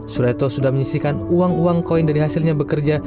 sureto sudah menyisikan uang uang koin dari hasilnya bekerja